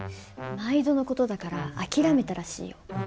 毎度の事だから諦めたらしいよ。